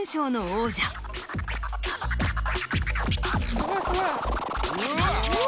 すごいすごい。